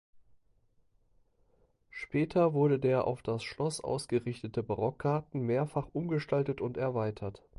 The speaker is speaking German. Später wurde der auf das Schloss ausgerichtete Barockgarten mehrfach umgestaltet und erweitert.